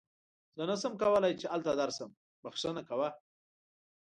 زه نن نشم کولی چې هلته درشم، بښنه کوه.